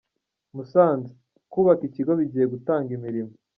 Musanze: Kubaka ikigo bigiye gutanga imirimo.